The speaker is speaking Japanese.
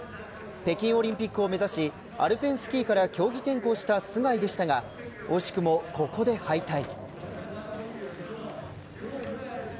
北京オリンピックを目指しアルペンスキーから競技転向した須貝でしたが惜しくも、ここで敗退。